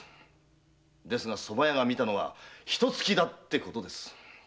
ですが蕎麦屋が見たのは一突きだってことです。